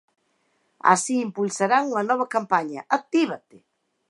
Así, impulsarán unha nova campaña, Actívate.